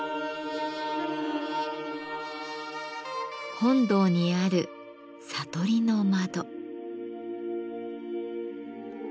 本堂にある「悟りの窓」。